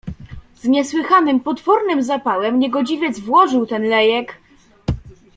"Z niesłychanym potwornym zapałem niegodziwiec włożył ten lejek..."